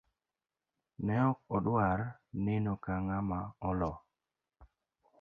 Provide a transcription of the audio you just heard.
Ne okodwar neno ka ng'ama olo.